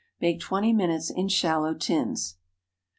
Bake twenty minutes in shallow tins.